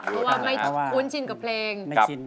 เพราะไม่ชินกับเพลง